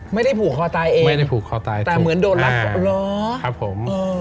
ไม่ได้ผูกคอตายเองแต่เหมือนโดนรักหรอครับผม